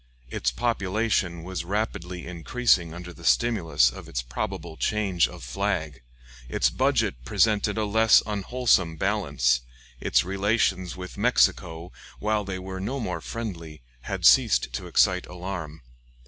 Its population was rapidly increasing under the stimulus of its probable change of flag; its budget presented a less unwholesome balance; its relations with Mexico, while they were no more friendly, had ceased to excite alarm.